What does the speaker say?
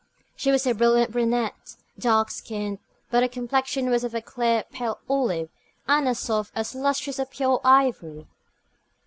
She was a brilliant brunette, dark skinned; but her complexion was of a clear, pale olive, and as soft, as lustrous as pure ivory.